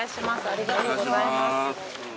ありがとうございます。